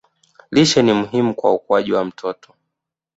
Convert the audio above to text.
Lishe ni muhimu kwa ukuaji wa mtoto